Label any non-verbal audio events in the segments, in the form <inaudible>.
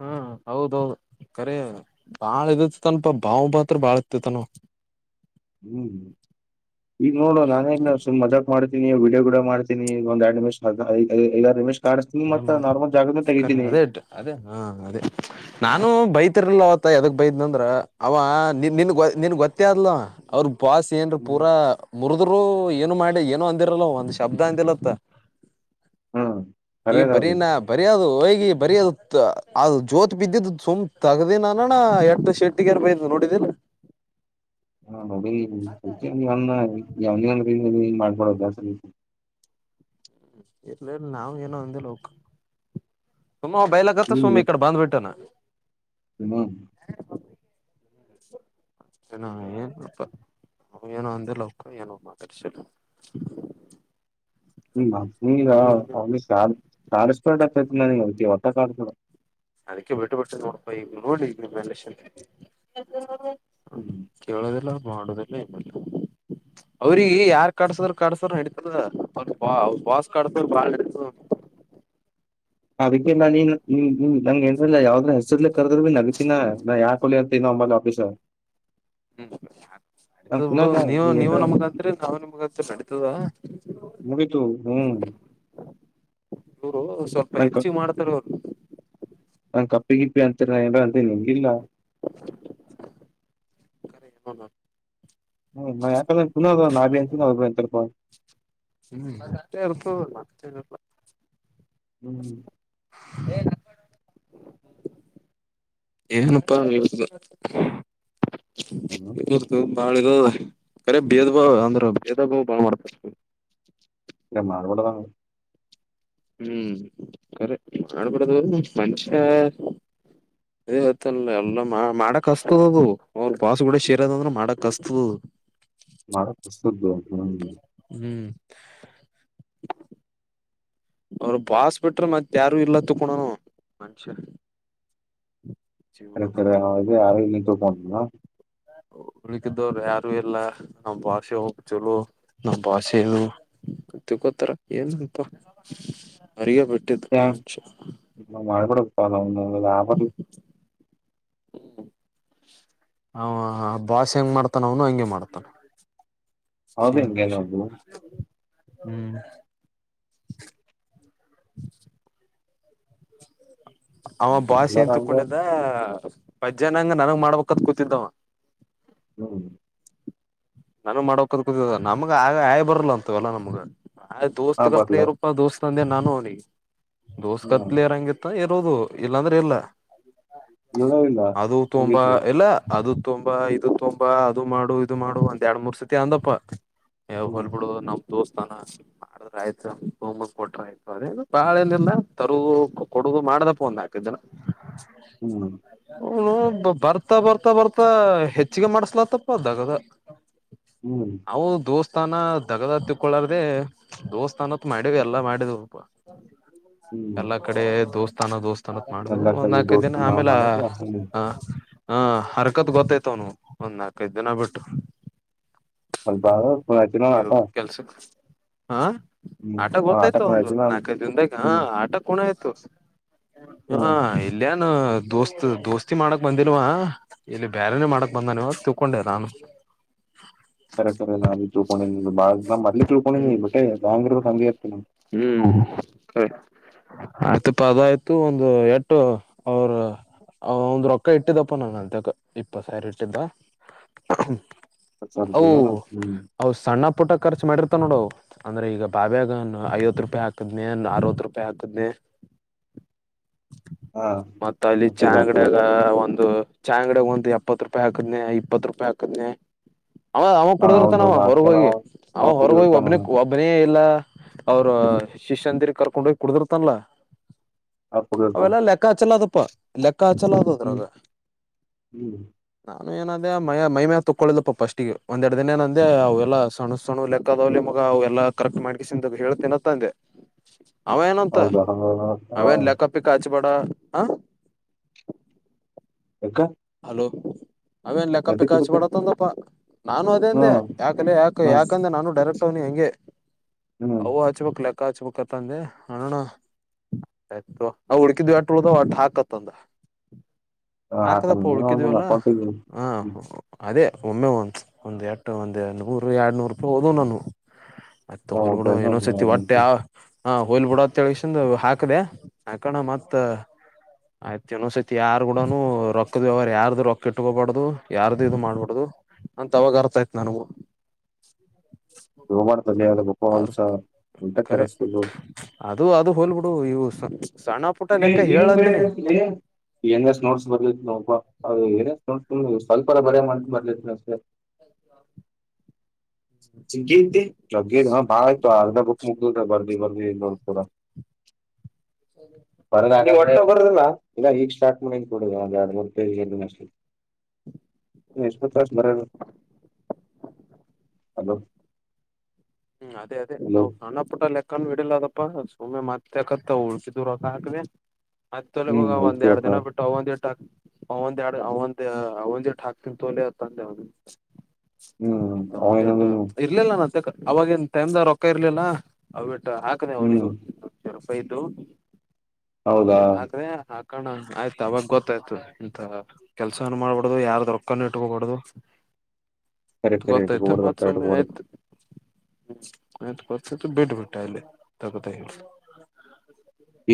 ಹ್ಮ್ ಹೌದೌದು ಖರಿ ಬಾಳ ಇದತಿ ತನಪಾ ಭಾವ ಭಾತ್ರ ಬಾಳ್ ಇತಿತನ. ಹ್ಮ್ ಹ್ಮ್. ಈಗ ನೋಡು ನಾನೇನ್ ಸು ಮಜಾಕ್ ಮಾಡಿದ್ದ. ನೀವು ವಿಡಿಯೋ ಕೂಡ ಮಾಡ್ತೀ ಒಂದ ಎರಡುಮಿಷ ಎಲ್ಲ ರಮೇಶ್. ಅದೇ ಮಾಡರ ಅದೇ ಅದೇ ಹಾ ಅದೇ ನಾನು ಬೈತ. ಗರಲ ಅವತ ಎದಕ್ ಬೈದ್ ಅಂದ್ರ ಅವ ನಿನ್ ನಿನ್ ಗೊತ್ತೇ ಆದ್ಲ ಅವ್ರ. ಪಾಸ್ ಏನ್ ಪೂರಾ ಮುರುದುರು ಏ. ಮಾಡಿ ಏನೊ ಅಂದಿರಲ್ಲ ಒಂದ್ ಶಬ್ದ ಅಂದಿಲ್ಲತ್ತ. ಹಾ ಈ ಕರೇದ ಅದು ಬರೀನಾ ಬರಿ ಅದು ಹ. ಬರಿ ಅದು ಅ ಜೋತ್ ಬಿದ್ದಿದ್ದು ಸುಮ್ ತಗ್ದನಾನಣ ಎಟ್ಟ ಶೆಟ್ಟಗರ್ ಬಯ ನೋಡಿದನ. ಹಾ ನೋಡ ಯಾವನನ್ರಿ. ಮಾಡ್ಕೊಡೋಸ. ಇರ್ಲ್ಲ ಇರ್ಲ್ಲ ನಾವವು ಏನೋ ಒಂದೇ ಲೋಕ. ಸುಮ್ಮಾ ಬಯಲಗತ್ತ ಸುಮ್ಮಿ ಈ ಕಡೆ ಬಂದ್ಬಿಟ್ಟನ ಹನ್ನ. ನ ಏನ್ಪ್ ಅವ ಏನೋ ಅಂದ ಲೌಕ ಏನೋಮ್ಮ ಕಸಿಲ್ಲ. ಹ್ಮ ಈಗ ಅಲ್ಲಿ ಕಸ್ಪಟ್ ಆ ನನ ಹೊತವತ್ತು. ಹ್ಮ್ಮ್. ಅದಕ್ಕೆ ಬಿಟ್ಟು ಬಿಟ್ಟು ನೋಡ್ಪಾ ಈ ನೋಡಿ ಈ ನಿಲೆ. ಕೇಳೋದಿಲ್ಲ. ದ ಅವ್ರಿಗೆ ಯಾರ್ ಕಡ್ಸದ್ರರು ಕಡ್ಸ್ರ ನಡೀತದ ಅವ್ರ ಬ ಬಾಸ್ ಕಡಸ್ರ ಬಾಳ್ ನಡೀತದ. ಅದಕ್ಕೆಲ್ಲ ನೀನ್ ನಂಗಗೆ ಏನಲ್ಲ ಯಾವದ್ರ ಹೆಸರ್. ಕದ ಭ ನಗೀನ ನಾ ಯಾಕ ಹೊ ಅ. ಈ ನಂಬರ್ಲ್ಪಿ ಸ. ಹ್ಮ್ ನಡತದ್ ಬಿಡು ಕುನಾಗ ನೀವು ನೀ ನೀವು ಏನ್ರ ನಮಗತ್ರಿ ನಾವೇ ನಮಗತ್ರಿ ನಡಿತದ. ಮುಗಿತು ಹ್ಮ್ ಸ್ವಲ್ಪ ಹೆಚ್ಚಿಗೆ ಮಾಡ್ತಾರ ಅವರು. ನಾನ ಕಪ್ಪಿ ಗಿಪ್ಪಿ ಅಂತ. ಬಂತನಂಗಿಲ್ಲ. ಹ್ಮ ಯಾಕ್ರು ಅಗ ಅಂತ. ಹ್ಮ್ ಎರ್ಪಲ್ಲ. ಹ್ಮ್ ಹ್ಮ. ಏನುಪ್ಪ. ಇತ. ಹ್ಮ್ ಬಾಳ ಇದು ಅರೆ ಭೇದ್ ಭಾವ ಅಂದ್ರೆ ಭೇದ ಭಾವ ಬಾಳ ಮಾಡ್ತ. ಹ್ಮ್ಮ್. ಎಮ್ಮಳಡ ತಂಗ. ಹ್ಮ್ ಅಖರಿ ಮಾಡಬಿಡದು ಮಷ ಇದತ್ತಲ್ಲ ಎಲ್ಲ ಮಾಡಕ್ ಹಸ್ತದದು ಅವ್ರ ಬಸ್ಗೂಡ ಸೇರದಂದ್ರ ಮಾಡಕ್ ಹಸ್ತದದು. ಮಾರ ಪ್ರ ಹ ಹ ಹ್ಮ್ ಅವರು ಬಾಸ್ಪಟ್ರ ಮತ್ತೆ ತಾರ ಇಲ್ಲಾ ತಕಣಾನ ಮನುಷ ಸರಿತರಿ ಯ ನೀನ್ ತೊಗೊಂಡ ಹಳಿಕಿದ್ದವರು ಯಾರು ಎಲ್ಲ ನಾವ್ ಭಾಷೆ ಹೋಗ ಚಲೋ ನಾವ್ ಭಾಷೆನು ತಿಕ್ಕೋತಾರ ಏನ್ಂತ ಅರಿಯ ಬಿಟ್ಟಿದ್ದ ಮಚ್ಚ ಹ ಾ ಹ ಭಾಷ ಹೆಂಗ ಮಾಡ್ತಾನ ಅವನು ಹಂಗಗೆ ಮಾಡ್ತಾನ ಹೌದ ಹಿಂಗೆ ಸೇಂಟು ಸೇಮ ನಮ್ದು ಹ್ಮ್ ಹ್ಮ್ ಅವ ಭಾಷೆ ಎಲ್ಲಾರ ಅ ಹಂಗ ತಕೊಂಡಿದ್ದ ಪಜ್ಯಾಹನಂಗ ನನಂಗ ಮಾಡ್ಬೇಕತ್ ಕೂತಿದ್ದವ ಹ್ಮ್ ನಾನು ಮಾಡೋಕದ ಕೂತ ನಮ್ಗ ಆಗ ಆಯಿ ಬರ್ಲ್ಲ ಅಂತ ಅಲ್ಲಾ ನಮ್ಗ ಅದ ಆ ದೋಸ್ತ್ ಕಪ್ಲೆ ಬರ್ಲ ಇರಪ್ಪಾ ದೋಸ್ತ್ ೊಂದೆ ನಾನು ಅವನಿಗೆ ದೋಸ್ತ ಹ್ಮ್ ಕತ್ಲೇರಂಗ ಇರೋದು ಇಲ್ಲಾಂದ್ರೆ ಇಲ್ಲ ಇಲ್ಲ ಇಲ್ಲ ಅದು ತುಂಬಾ ಮುಗೀತು ಇಲ್ಲ ಅದು ತುಂಬಾ ಇದು ತುಂಬಾ ಅದು ಮಾಡು ಇದು ಮಾಡು ಅ ಎರಡ್ ಮೂರ್ ಸತಿ ಅಂದಪ್ಪ ಯಾವ್ ಹ್ಮ್ ಹೊೋಗಲ್ಬ ಬಿಡುದುದು ನಮ್ ದೋಸ್ಥಾನ ಮಾಡಿದ ಆಯ್ತ ಹಮ ಕೊಟ್ರ ಆಯ್ತ ಅದ ಬಾಳೆನಿಲ್ಲ ತರುಗ ಕೊಡುಗು ಮಾಡ್ದಪ್ಪ ಒಂದ ಹಾಕದ ಜಿನ ಹ್ಮ್ ಹ್ಮ್ ಹನು ಬರ್ತಾ ಬರ್ತಾ ಬರ್ತಾ ಹೆಚ್ಚಿಗೆ ಮಾಡಸ್ಲತ್ತಪ್ಪದಾಗದ ಹ್ಮ್ ಅವು ದೋಸ್ತ್ ದೇವಸ್ಥಾನ ದಗದ ಹತ್ತಕ್ಕೊಳ್ಳಾರ್ದೇ ದೇವಸ್ಥಾನ ಮಾಡಿವ ಎಲ್ಲ ಮಾಡ್ವು ಬಾಹ ಹ್ಮ್ ಎಲ್ಲಾ ಕಡೆ ದೋಸ್ತ್ ತ ದೋಸ್ ತನಪ ಮಾಡ್ ಎಲ್ಲ ಕೈ ಒಂದ್ ನಾಲ್ಕ ದಿನ ದೋಸ್ತ ನಾವ್ ಆಮೇಲೆ ಮಾಡದ ಹ್ಮ್ ಹ ಹಾ ಹರಕತ್ ಗೊತ್ತಾಯ್ತವ ಒಂದ್ ನಾಲ್ಕೈದು ದಿನ ಬಿಟ್ಟು ಮಬ ಕುನ ಚನಣತ ಇವು ಕೆಲ್ಸಕ್ ಹಾ ಆಟ ಗೊದತ್ತಾಯ್ತ ಒಂದಂದು ನಾಲ್ಕೈದು ದಿನದಾಗ ಹ್ಮ್ ಆಟ ಕಣ ಆಯ್ತ ಸ ಹ್ಮ್ ಹ ಇಲ್ಲ ನ ದೋಸ್ತ್ ದೋಸ್ತಿ ಮಾಡಕ್ ಬಂದಿಲ್ವ ಇಲ್ಲಿ ಬೇರೆನೆೇ ಮಾಡಕ್ ಬಂದನ್ವ ತಕೊಂಡೆ ನಾನು ಕರಕರೆ ನಾವಿದ್ದರುಪ ಬಾ ನಾ್ ಮದ್ಲಿ ತಿಳ್ಕೊಂಡ ನೀ ಹ್ಮ್ ಬಿಟ್ಟೆಾಂಗರ ಸಂೆ ಇರ್ತನ <unintelligible> ಹ್ಮ್ ಸರಿ ಆಯ್ತಪ್ಪ ಅದಾಯಯ್ತು ಒಂದು ಎಟ್ಟು ಅವ್ರ ಒಂದ್ ರೊಕ್ಕ ಇಟ್ಟಿದ್ದಪ್ಪ ನಾನ ಅ ಇಪ್ಪ ಸಾವರ ಇಟ್ಟಿದ್ದ ಹೌ ಜೀವನ ಹ್ಮ್ ಹ ಸಣ್ಣ. ಊಟ ಖರ್ಚು ಮಾಡಿರ್ತ ನೋಡ ಅಂದ್ರೆ ಈಗ ಬಾಬ್ಯಾಗಾನ ಐವತ್ತು ರೂಪಾಯಿ ಹಾಕ್ತದ್ನಿ ಅ ಅರ್ವತ್ ರೂಪಾಯಿ ಹಾತದ್ನಿ. ಹಾ ಮತ್ತ ಅಲ್ಲಿ ಅಕ್ಕಿದ ಚಂಗಡಾಗ ಹಾ ಒಂದು. ಚಾಯ್ ಅಂಗಡಿ ಹ ಒಂದು ಎಪ್ಪತ್ತು ರೂಪಾಯಿ ಹಾಕದ್ನೆ ಇಪ್ಪತ್ ರೂಪಾಯಿ ಹಾಕದನನೆ. ಅವ ಅವ ಹೌದ್ ಕುಡಿದಿರ್ತಾನವ ಹೌದ್ ಹೊರಗ ಆಗ್ತನ ಹೋಗಿ. ಅವ ಆ ಕುರಿ ಹೊರಗೋಗಿ ಇರ್ತಾನ ಒಬ್ಬನ ಒಬ್ಬನ. ಇಲ್ಲ ಅವ್ರ ಶಿಷ್ಯಂದಿರಿ ಕರ್ಕೊಂಡ ಹೋಗಿ ಕುಡುದರ್ತಲ್ಲ ಆ ಕುರಿ ಇರ್ತಾನ ಅವೆಲ್ಲ ಲೆಕ್ಕಾಚಲ ಅದಪ್ಪ ಲೆಕ್ಕ ಹಚಲ ಹ್ಮ್ ಅದುದ್ರಾಗ ಹ್ಮ್ ನ ಏನಂದ ಮೈಮ್ಯಾಲ ತಕ್ಕೊಳಿದಪ್ಪ ಫಸ್ಟಿಗೆ ಒಂದೆರ ದಿನ ಏ ಅಂದೆ ಅವೆಲ್ಲ ಸಣ್ಣ ಸಣು ಲೆಕ್ಕದವಲಿ ಮಗ ಎಲ್ಲಾ ಕರೆಕ್ಟ್ ಮಾಡ್ಿಂದ ಹ ತಿನ್ನತ್ತಂದೆ ಅವೇ ಏನಂತ ಹೌದಾ ಹ ಹಾ ಅವೇನ್ ಲೆಕ್ಕಪಿಕ್ಕ ಬಡ ಆ ಹ್ಮ್ಮ್. ಹಲೋ. ಅವೇನ್ ಲೆಕ್ಕ ಪಿಕ್ಕ ಇದಕ್ಕೆ ಹಚ್ಚಿಬಡತ್ತಂದಪ್ಪಾ ನಾನು ಅದೇಂದೆ ಹ್ಮ್ ಯಾಕ ಯಾಕೆ ಹ್ಮ್ ಯಾಕಂದ್ರೆ ನಾನು ಡೈರೆಕ್ಟ್. ವನಿ ಹೆಂಗೆ. ಹ್ಮ್ ಅವು ಹಚಬೇಕಕ್ಲ. ಅಕ್ಕಚ್ ಬಕ್ಕತ್ತ ಅಂದೆ ಅಣೋಣ ಆಯತ ನಾವು ಹುಡ್ಕಿದ್ಟ ಉಳ್ದ ಒಟ್ಟ ಹಾಕತ್ತಂದ. ಹ ಹತ. ಹಕ್ಕಿದವಲ್ಲ ಹ. ಅದೇ ಒಮ್ಮೆ ಒಂದುಸ ಒಂದು ಎಟ್ಟು ಒಂದು ನೂರು ಎರಡು ನೂರು ರೂಪಾಯಿ ಹದ ನಾನ. ಅತ್ತ ಹೊೋಲ್ ಬಿಡ ಏನೋ ಸತಿ ಹೊಟ್ಟೆ ಆ. ಹಾ ಹೋಲ್ ಬಿಡ ತೆಳ್ಗಸನ್ ಹಾಕದೆ ಹಾಕಣ ಮತ್ ಆಯ್ತ್ ಇನ್ನ್ಸೈತಿ ಯಾರ್ ಕೂಡನು ರೊಕ್ತ. ಹ್ ಅವರು ಯಾರ್ದ ರೊಕ್ಕ ಇಟ್ಕೋಬಾರಡ್ದು ಯಾರ್ದು ಇ ಮಾಡ್ಬಾರಡ್ದು ಅಂತ ಅವವಾಗ ಅರ್ಥ ಆತ್ ನನಗೂ. ನೀ ಮಾಡ್ತಾನ. ಅ ಕರೆ ಅದು ಅದು ಹೋಲ್ಬಿಡು ಹ ಯೂಸ್ ಏನ್ ಬರತತ್ಲಿ ಏನಷ್ಟ ನೋಡ್ಸ್ ಬರ್ಲತ್ ನಬ ಅೌದು ಏನ ನೋಡ್ಕ ಸ್ವಲ್ಪ ಬರ ಮಾಡ ಬರ್ಲತ್ನ ಸೇ ಭಾಗ ಅರ್ಧ ಬುಕ್ ಮುಗ ಬರ್ದಿ ಬರ್ದಿ ನೋ ಕೂಡ ಬ ಬಿಲ್ಲ ಇಲ್ಲ ಈಗ್ ಸ್ಟಾರ್ಟ್ ಮಾಡತ್ ಬ ಹಲೋ. ಹ್ಮ್ ಅದೇ ಅದೇ ಹಲೋ ಅವ್ ಸಣ್ಣ ಪುಟ್ಟ ಲೆಕ್ಕನ ಇಡಿಲದ ಪ್ಪ ಸುಮಮ್ಮನೆ ಮತ್ತೆಾಕತ್ತ ಉಳ್ಸಿದು ರೊಕ್ಕ ಹಾಕ್ದೆ ಮತ್ತ ಹ್ಮ್ ಒಂದ ಓಕೆ ಎರ ಅಕ್ಕ ದಿನ ಬಿಟ್ಟು ಒಂದ ಎರಡು. ಅವ ಎ ಅವಂದ ಅವಂದ ಹಾಕ್ತನ್ ತೋಲೆ ತಂದೆ ಅವ ಹ್ಮ್ ಆಯ್ತಾ ಒಂದ್ಟ್ಟು ಅವೇನನು ಇರ್ಲಿಲ್ಲ ನ ಅವಾಗನ್ ಟೈಮ್ ರೊಕ್ಕ ಇರ್ಲಿಲ್ಲ. ಹಾಕದೆ ಹ್ಮ್ ಅವನಗೂ. ದು ಹೌದಾ ಹೌದತ್ ಹಾಕ್ರ ಹಾಕ ಕಣ ಆಯ್ತು ಅವಾಗ ಗೊತ್ತಾಯ್ತು ಎಂತ ಕೆಲ್ಸಾನ ಮಾಡ್ಬಡದು ಯಾರ ದೊಕ್ಕನ್ನು ಇಟ್ಟಕಬಡುದು. ಕರೆಕ್ಷನ ಕಣ ನತ್ತ ಕಣುದು ಹ್ಮ ಕೊತ ಬಿಡ್ ಬಿಟ್ಟ ಅ ತಕತ ಹೇಳ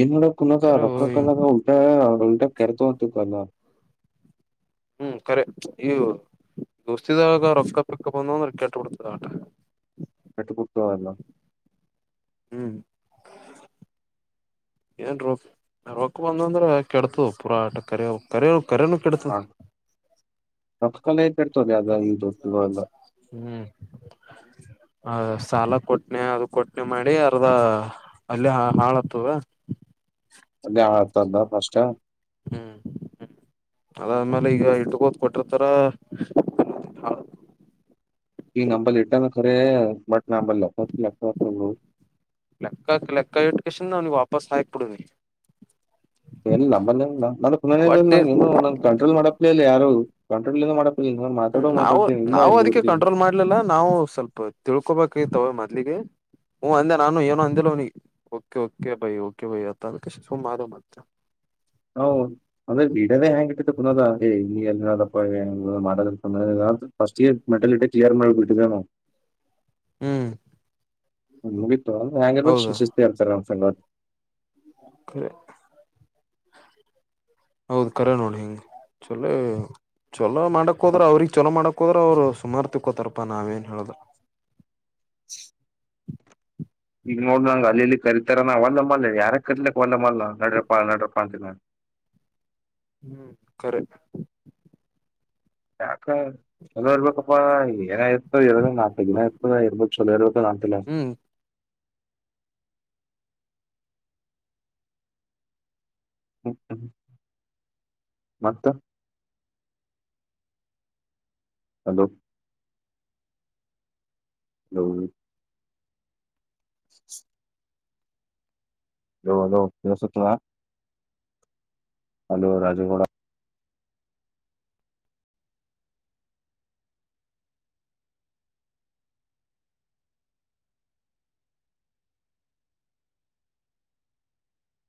ಏನ್ ಮಾಡೋಡಕ್ ಕುನದ ರೊಕ್ಕ ಕಲ್ಲಾಗ ಉಲ್ಟಾ. ಅವಟ ಕರೆತ ಹೊತಕಲ್ಲ. ಹ್ಮ್ ಕಖರೆ ಈ ದೋಸ್ತಿದಾಗ ರಫ್ಕ ಪಿಕ್ಕಪ್ ಅಂದ ಅಂದ್ರೆ ಕೆಟ್ಟ ಬಿಡ್ತದ ಆಟ. ಕೆಟ್ಟು--ಪುತಲ್ಲ ಹ್ಮ್. ಏನ್ ರೊ ರೊಕ್ಕ ಬಂದಂದ್ರೆ ಕೆಡತದ ಪೂರಾ ಕ ಕರನು ಕೆಡತ. ಹ ರೊಕ್ಕ ಕಲೆ ಕೆಡ್ತದೆ ಅದ ಈ ದೋಸ್ತಿಗಳೆಲ್ಲ ಹ್ಮ್. ಹ ಸಾಲ ಕೊಟ್ನೆ ಅದು ಕೊಟ್ನೆ ಮಾಡಿ ಅರ್ದ ಅಲ್ಲಿ ಹಾಳತ್ತದ. ಅಲ್ಲಿ ಆತಲ್ಲ ಫಸ್ ಹ್ಮ್ ಹ್ಮ್ ಅದಾದ್ಮೇಲೆ ಈಗ ಹಟ್ಟಗೋದ್ ಕೊಟ. ತರ ಈ ನಂಬ ಇಟಾನ ಖರ ಬಟ್. ನಂಬಲೆಕ್ಕ ಲಕ್ಕು ಲೆಕ್ಕಕ್ ಲೆಕ್ಕ ಇಟ್ಕೇಶಿಂದ ವಾಪಸ್ ಆ ಎ ಎಲ್ಲ ಬ ನನಕ್ನ ಒಟ್ಟೆ ನಂಗ ಏನು ನಂಗ್ ಕಂಟ್ರೋಲ್ ಮಾಡಕ್ ಇಲ್ಲ ಯಾರು. ಕಂಟ್ರೋಲ್ ಏನು ಮಾಡಪ್ಲೇ ಇಲ್ಲ ನಾನು ಹ್ಮ್ ಮಾತಾಡೋ ನಾವು ಮಾತಾಡ್ತೀನಿ ಇಲ್ಲ ನಾವು ಅದಕ್ಕೆ ಮುಗಿಡ್ತೀನಿ ಕಂಟ್ರೋಲ್ ಮಾಡ್ಲಿಲ್ಲ ನಾವು ಸ್ವಲ್ಪ ತಿಳ್ಕೊಬೇಕ. ಮಲಿಗೆ ಅಂದೆ ನಾನ ಏನ ಅಂದೆಲು ನೀ ಓಕೆ ಭೈ ಓಕೆ ಅತ್ತ ಶ ಮಾಡಾರ ಹ್ ಅಂದ್ರೆ ಬಿಡದೇ ಹೆಂಗ್ ಇಟ್ಟತ್ತು ಪುನದ ಏ ಇ ಎಲ್ಲಿದಪ್ಪ ಮಾಡದ ಫಸ್ಟ್ ಇಯರ್ ಮೆಟಲ್ ಇ ಕ್ಲಿಯರ್ ಮಾಡ ಬಿಟ್ಟಿದ್ರ ನಾವು ಹ್ಮ್ ಹ ಹಂಗಗೆಲ್ಲ ಶಿಸ್ತಿ ಇರ್ತ ಸಂಗತ್ ಹ ಹೌದ ಕರೆ ನೋಡಿ ಹೆಿಂಗ ಚಲ ಚಲ ಮಾಡಕೋದ್ರ ಅವ್ರಗ್ ಚಲೋ ಮಾಡಕೋದ್ರ ಅವ್ರು ಸುಮಾರ್ಥಿಕೋತಾರಪ್ಪಾ ನಾವ ಏನ್ ಹೇಳುದು ಈಗ ನೋಡ ನಂಗ ಅಲ್ಲಿ ಇಲ್ಲಿ ಕರಿತಾರ ನಾ ಒಲ್ಲ ಮಲ್ಲ ಯಾರ ಕರ್ಲಿಕ್ಕಕ್ ಒಲ್ಲ ಮಲ್ಲ ನಡ್ರಪ್ಪ ನಡಪ್ಪ ಅಂತ ನ ಹ್ಮ್ ಕರೆಕ್ ಹಾ <inaudible> ಚಲೋ ಇರ್ಬೇಕಪ್ಪಾ ಏನ ಇತ ಇರದ ನಾಲ್ಕು ದಿನ ಇರ್ತದ ಇರ್ಬೇಕ ಚರ ಇ ನಾಲ್ಲ ಹ್ಮ್ ಹ್ಮ್ ಹ್ಮ್್ಮ ಮತ್ತ ಅಲೋ ಹ್ಮ್ <inaudible> ಹಲೋ ಹಲೋ ಯ ಸತದ ಹಲೋ ರಾಜಗೌಡ